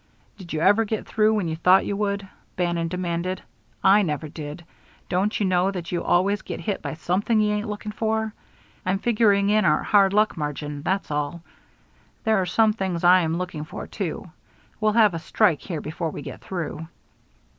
"Did you ever get through when you thought you would?" Bannon demanded. "I never did. Don't you know that you always get hit by something you ain't looking for? I'm figuring in our hard luck margin, that's all. There are some things I am looking for, too. We'll have a strike here before we get through."